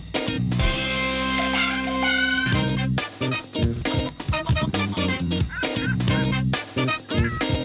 โปรดติดตามตอนต่อไป